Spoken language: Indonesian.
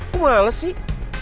kok males sih